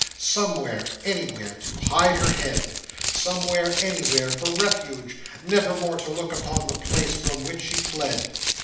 Somewhere, anywhere, to hide her head! somewhere, anywhere, for refuge, never more to look upon the place from which she fled!